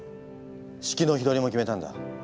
式の日取りも決めたんだ。